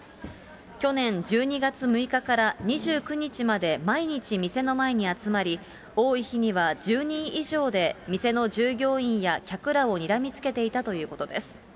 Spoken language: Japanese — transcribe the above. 去年１２月６日から２９日まで、毎日店の前に集まり、多い日には１０人以上で、店の従業員や客らをにらみつけていたということです。